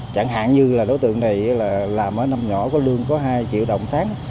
chẳng hạn như là đối tượng này là làm ở năm nhỏ có lương có hai triệu đồng tháng